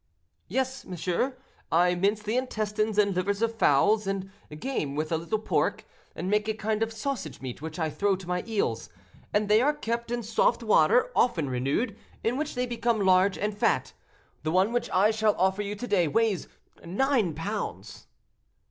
"Yes, monsieur, I mince the intestines and livers of fowls and game with a little pork, and make a kind of sausage meat, which I throw to my eels, and they are kept in soft water, often renewed, in which they become large and fat. The one which I shall offer you to day weighs nine pounds."